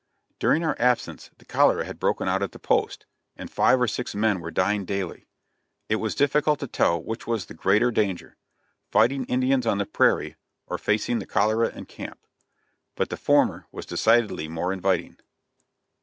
During our absence the cholera had broken out at the post, and five or six men were dying daily. It was difficult to tell which was the greater danger fighting Indians on the prairie, or facing the cholera in camp; but the former was decidedly the more inviting.